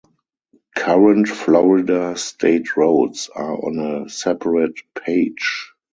Current Florida State Roads are on a separate page.